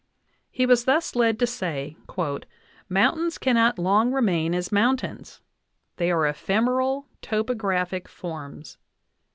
He was thus led to say: "Mountains can not long remain as mountains ; they are ephemeral topographic forms.